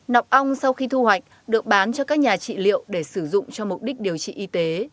nọc ong sau khi thu hoạch được bán cho các nhà trị liệu để sử dụng cho mục đích điều trị y tế